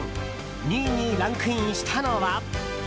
２位にランクインしたのは。